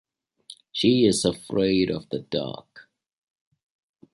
She is afraid of the dark.